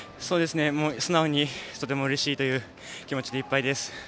素直にとてもうれしいという気持ちでいっぱいです。